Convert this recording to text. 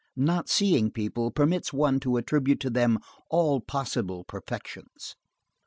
Not seeing people permits one to attribute to them all possible perfections.